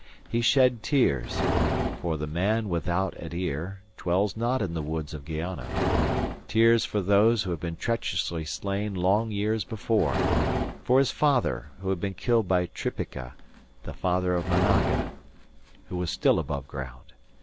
He shed tears for the "man without a tear" dwells not in the woods of Guayana: tears for those who had been treacherously slain long years ago; for his father, who had been killed by Tripica, the father of Managa, who was still above ground.